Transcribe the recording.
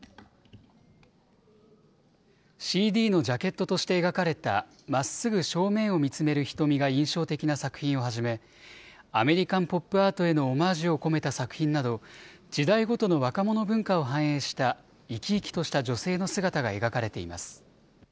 ＣＤのジャケットとして描かれた、まっすぐ正面を見つめる瞳が印象的な作品をはじめ、アメリカンポップアートへのオマージュを込めた作品など、時代ごとの若者文化を反映した、生き生きとした女性の姿が描かれています。